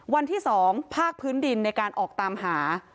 วันที่๒ภาคพื้นดินในการออกตามหา